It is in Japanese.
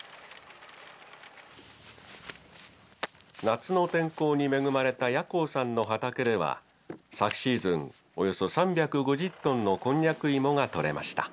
夏の天候に恵まれた八高さんの畑では昨シーズンおよそ３５０トンのこんにゃく芋が取れました。